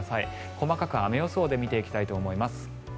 細かく雨予想で見ていきたいと思います。